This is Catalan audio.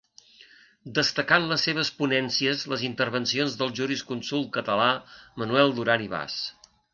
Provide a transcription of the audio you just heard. Destacà en les seves ponències les intervencions del jurisconsult català Manuel Duran i Bas.